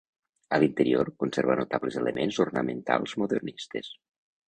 A l'interior conserva notables elements ornamentals modernistes.